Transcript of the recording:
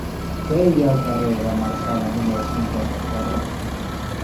Què hi ha al carrer de Marsala número cinquanta-quatre?